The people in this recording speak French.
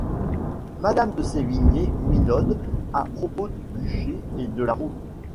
Madame de Sévigné minaude à propos du bûcher et de la roue.